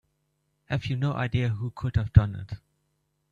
Have you no idea who could have done it?